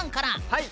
はい！